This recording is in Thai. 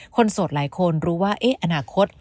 โสดหลายคนรู้ว่าอนาคต